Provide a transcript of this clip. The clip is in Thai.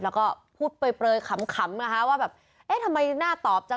แล้วก็พูดเปลยขำนะคะว่าแบบเอ๊ะทำไมหน้าตอบจัง